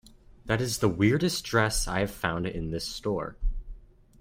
That is the weirdest dress I have found in this store.